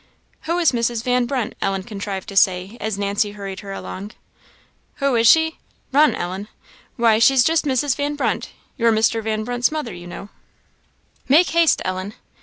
"Who is Mrs. Van Brunt?" Ellen contrived to say, as Nancy hurried her along, "Who is she? run, Ellen! why, she's just Mrs. Van Brunt your Mr. Van Brunt's mother, you know make haste, Ellen!